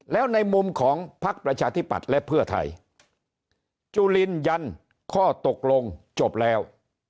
แล้วในมุมของพักประชาธิปัตย์และเพื่อไทยจุลินยันข้อตกลงจบแล้ว